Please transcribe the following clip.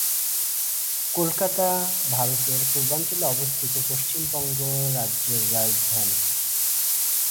কলকাতা ভারতের পূর্বাঞ্চলে অবস্থিত পশ্চিমবঙ্গ রাজ্যের রাজধানী।